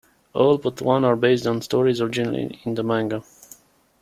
All but one are based on stories originally in the manga.